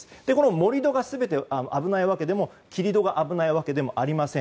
盛り土が全て危ないわけでも切り土が危ないわけでもありません。